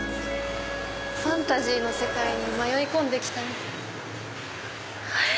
ファンタジーの世界に迷い込んで来たみたい。